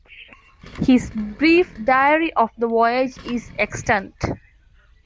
His brief diary of the voyage is extant.